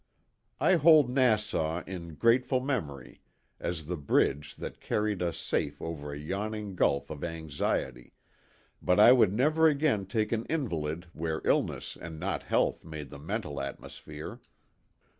I hold Nassau in grateful memory as the bridge that carried us safe over a yawning gulf of anxiety, but I would never again take an invalid where illness and not health made the mental atmosphere.